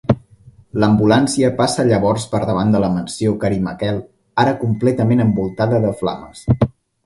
L'ambulància passa llavors per davant de la mansió Carmichael, ara completament envoltada de flames.